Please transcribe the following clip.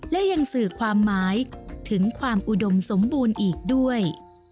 และยังสื่อความหมายถึงความอุดมสมบูรณ์อีกด้วย